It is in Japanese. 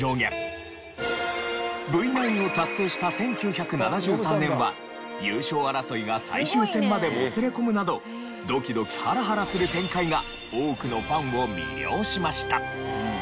Ｖ９を達成した１９７３年は優勝争いが最終戦までもつれ込むなどドキドキハラハラする展開が多くのファンを魅了しました。